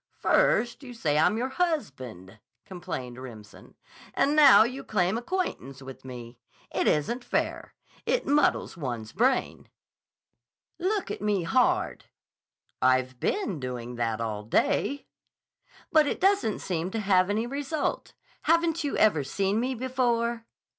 "First you say I'm your husband," complained Remsen, "and now you claim acquaintance with me. It isn't fair. It muddles one's brain." "Look at me hard." "I've been doing that all day." "But it doesn't seem to have any result Haven't you ever seen me before?"